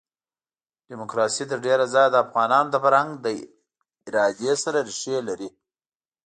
ډیموکراسي تر ډېره ځایه د افغانانو د فرهنګ له ادارې سره ریښې لري.